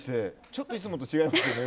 ちょっといつもと違いますけどね。